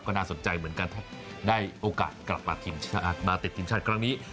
ก็น่าสนใจเหมือนกันถ้าได้โอกาสกลับมาติดทีมชาติครั้งนี้